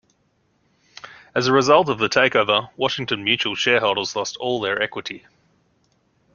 As a result of the takeover, Washington Mutual shareholders lost all their equity.